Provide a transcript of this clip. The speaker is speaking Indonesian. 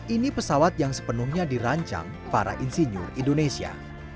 ini pesawat yang sepenuhnya dirancang para insinyur indonesia